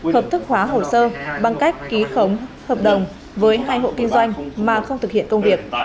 hợp thức hóa hồ sơ bằng cách ký khống hợp đồng với hai hộ kinh doanh mà không thực hiện công việc